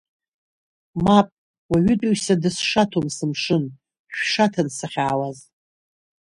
Мап, уаҩытәыҩса дысшаҭом сымшын, шәшаҭан сахьаауаз.